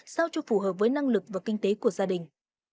sao cho phù hợp với năng lực và kinh tế của gia đình